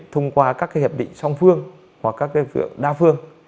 thông qua các cái hiệp định song phương hoặc các cái hiệp định đa phương